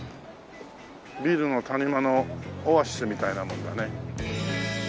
ビルの谷間のオアシスみたいなものだね。